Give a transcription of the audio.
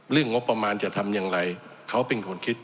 งบประมาณจะทำอย่างไรเขาเป็นคนคิด